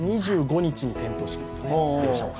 ２５日に点灯式ですね。